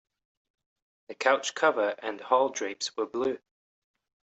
The couch cover and hall drapes were blue.